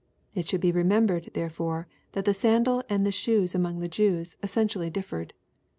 It should be remembered, therefore, that the sandal and the shoes among the Jews, essentially differed.